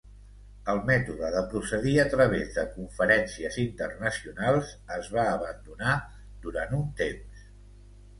El mètode de procedir a través de conferències internacionals es va abandonar durant un temps.